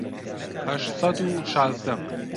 هەشت سەد و شازدە